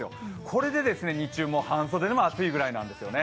これで、日中も半袖でも暑いくらいなんです。